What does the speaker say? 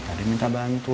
tadi minta bantu